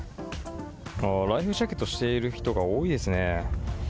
ライフジャケットしている人が多いですね。